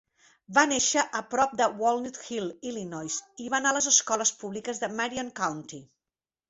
Va néixer a prop de Walnut Hill, Illinois, i va anar a les escoles públiques de Marion County.